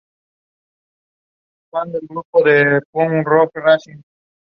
Fernández-Aceytuno nació en Villa Cisneros donde su padre, militar de profesión, estaba destinado.